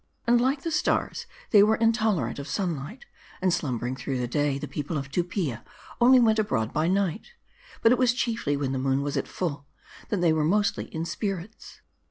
And like the stars, they were intolerant of sunlight ; and slumbering through the day, the people of Tupia only went abroad by night. ' But it was chiefly when the moon was at full, that they were mostly in spirits.